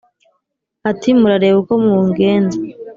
Ati: " Murarebe uko mugenza